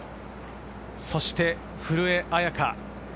そして古江彩佳。